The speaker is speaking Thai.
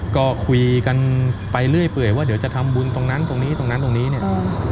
ก็คุยกันไปเรื่อยเปื่อยว่าเดี๋ยวจะทำบุญตรงนั้นตรงนี้ตรงนั้นตรงนี้เนี่ย